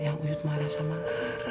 yang yud marah sama lara